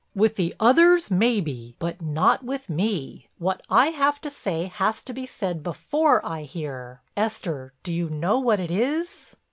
"With the others maybe, but not with me. What I have to say has to be said before I hear. Esther, do you know what it is?"